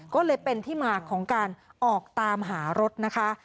ก็เลยเป็นที่มาของการออกตามหารถนะคะ